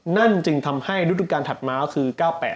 นั่นจึงทำให้ฤทธิ์การถัดมาก็คือ๑๙๘๘๑๙๘๙